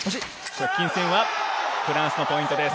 接近戦はフランスのポイントです。